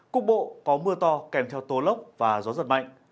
cục bộ có mưa to kèm theo tố lốc và gió giật mạnh